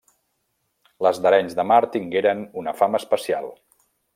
Les d'Arenys de Mar tingueren una fama especial.